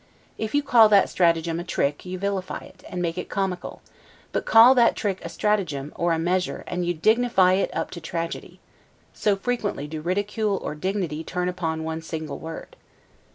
If you call that stratagem a TRICK, you vilify it, and make it comical; but call that trick a STRATAGEM, or a MEASURE, and you dignify it up to tragedy: so frequently do ridicule or dignity turn upon one single word.